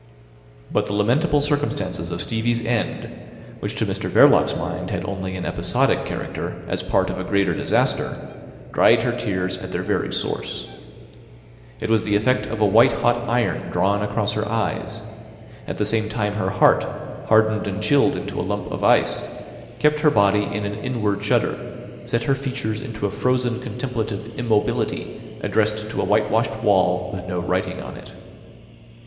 But the lamentable circumstances of Stevie's end, which to Mr Verloc's mind had only an episodic character, as part of a greater disaster, dried her tears at their very source. It was the effect of a white hot iron drawn across her eyes; at the same time her heart, hardened and chilled into a lump of ice, kept her body in an inward shudder, set her features into a frozen contemplative immobility addressed to a whitewashed wall with no writing on it.